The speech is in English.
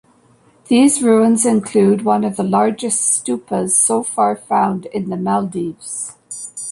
These ruins include one of the largest stupas so far found in the Maldives.